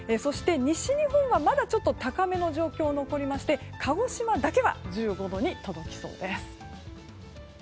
西日本はまだ高めな状況が残りまして鹿児島だけは１５度に届きそうです。